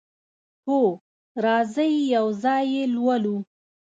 هو، راځئ یو ځای یی لولو